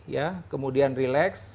ya kemudian relax